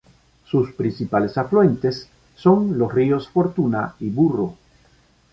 Sus principales afluentes son los ríos Fortuna y Burro.